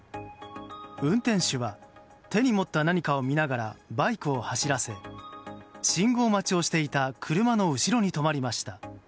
運転手は手に持った何かを見ながらバイクを走らせ信号待ちをしていた車の後ろに止まりました。